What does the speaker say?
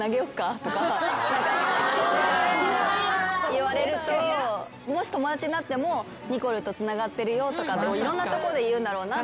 言われるともし友達になってもニコルとつながってるよとかいろんなとこで言うんだろうなと。